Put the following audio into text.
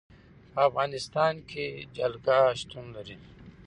په افغانستان کې جلګه شتون لري.